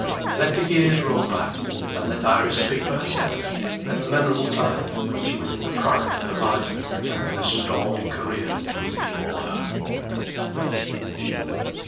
Let the years roll back, and let Iris speak for herself, at the memorable time when she was in the prime of her life, and when a stormy career was before her.